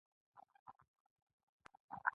ملګرو ځینې مشورې شریکې کړې.